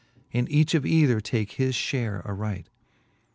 And each of either take his fhare aright.